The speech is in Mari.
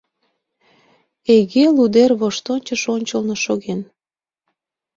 Эйге Лудер воштончыш ончылно шоген.